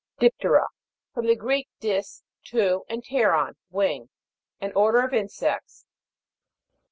DIP'TERA. From the Greek, dis, two, and pteron, wing. An order of in sects.